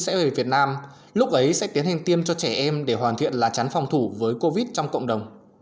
sẽ về việt nam lúc ấy sẽ tiến hành tiêm cho trẻ em để hoàn thiện lá chắn phòng thủ với covid trong cộng đồng